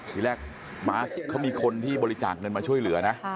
ทีแรกมาสเขามีคนที่บริจาคเงินมาช่วยเหลือนะ